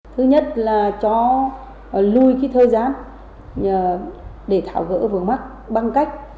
thứ nhất là cho lùi thời gian để tháo gỡ vườn mắt bằng cách